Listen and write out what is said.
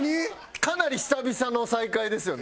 かなり久々の再会ですよね？